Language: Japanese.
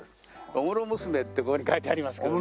「御室ムスメ」ってここに書いてありますけどね。